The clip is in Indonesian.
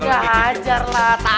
ya hajar lah taki